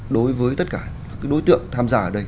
đối với tất cả đối tượng tham gia ở đây